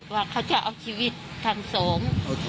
ว่าเขาจะเอาชีวิตทางสงฆ์